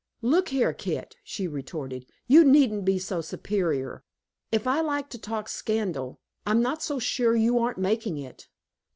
"Look here, Kit," she retorted, "you needn't be so superior. If I like to talk scandal, I'm not so sure you aren't making it."